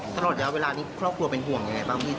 ตลอดระยะเวลานี้ครอบครัวเป็นห่วงยังไงบ้างพี่